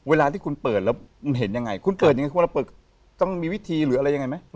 เวลาที่คุณเปิดแล้วคุณเห็นยังไงคุณเปิดยังไงคนละเปิดต้องมีวิธีหรืออะไรยังไงไหม